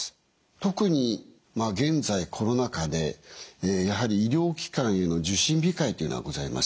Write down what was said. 特に現在コロナ禍でやはり医療機関への受診控えというのがございます。